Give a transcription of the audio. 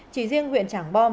chỉ riêng huyện trảng bom